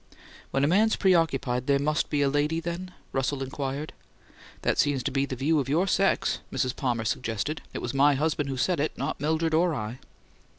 "When a man's preoccupied there must be a lady then?" Russell inquired. "That seems to be the view of your sex," Mrs. Palmer suggested. "It was my husband who said it, not Mildred or I."